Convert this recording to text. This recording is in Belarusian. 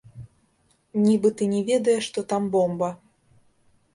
Нібыта не ведае, што там бомба.